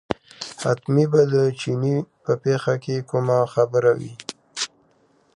حتمي به د چیني په پېښه کې کومه خبره وي.